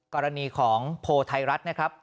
กรณีของโพลไทยรัฐนะครับ